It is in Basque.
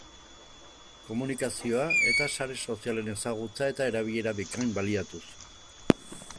Komunikazioa eta sare sozialen ezagutza eta erabilera bikain baliatuz.